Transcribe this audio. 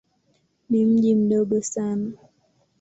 Ni mji mdogo sana.